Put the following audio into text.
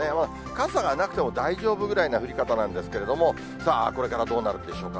傘がなくても大丈夫ぐらいな降り方なんですけれども、さあ、これからどうなるんでしょうか。